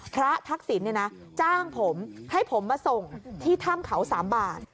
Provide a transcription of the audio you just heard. พระทักศิลป์เนี่ยนะจ้างผมให้ผมมาส่งที่ถ้ำเขาสามบาท